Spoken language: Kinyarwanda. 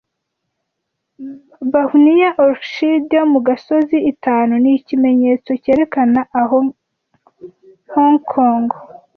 Bahunia orchide yo mu gasozi itanu ni ikimenyetso cyerekana aho Hong Kong